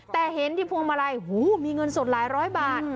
แต่เห็นที่พวงมาลัยมีเงินสดหลายร้อยบาท